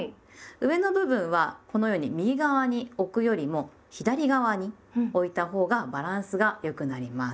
上の部分はこのように右側に置くよりも左側に置いたほうがバランスが良くなります。